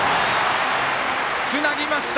つなぎました！